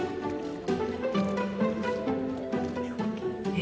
え？